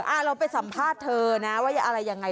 เราไปสัมภาษณ์เธอนะว่าอะไรยังไง